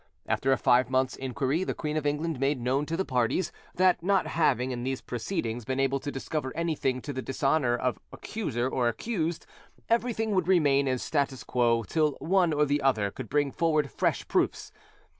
After a five months' inquiry, the Queen of England made known to the parties, that not having, in these proceedings, been able to discover anything to the dishonour of accuser or accused, everything would remain in statu quo till one or the other could bring forward fresh proofs.